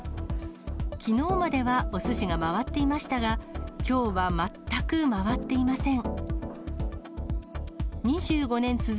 きのうまではおすしが回っていましたが、きょうは全く回っていません。